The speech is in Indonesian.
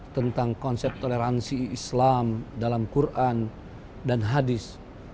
tentang konsep toleransi islam dalam quran dan hadis